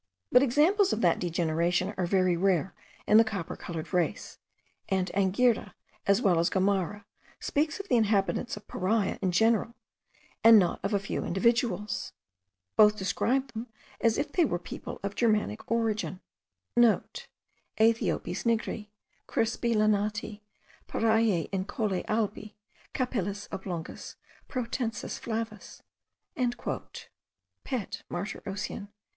But examples of that degeneration are very rare in the copper coloured race; and Anghiera, as well as Gomara, speaks of the inhabitants of Paria in general, and not of a few individuals. Both describe them as if they were people of Germanic origin,* (* "Aethiopes nigri, crispi lanati; Pariae incolae albi, capillis oblongis protensis flavis." Pet. Martyr Ocean.